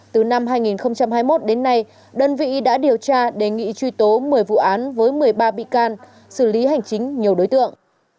từ năm hai nghìn hai mươi một đến nay đơn vị đã điều tra đề nghị truy tố một mươi vụ án với một mươi ba bị can xử lý hành chính nhiều đối tượng